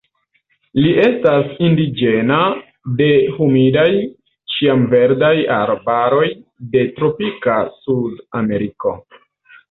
Ĝi estas indiĝena de humidaj ĉiamverdaj arbaroj de tropika Sudameriko.